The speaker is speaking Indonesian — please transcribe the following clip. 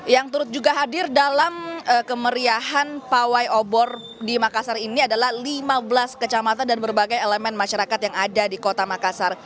yang turut juga hadir dalam kemeriahan pawai obor di makassar ini adalah lima belas kecamatan dan berbagai elemen masyarakat yang ada di kota makassar